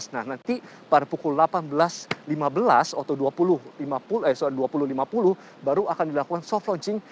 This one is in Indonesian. nah nanti pada pukul delapan belas lima belas atau dua puluh lima puluh baru akan dilakukan soft launching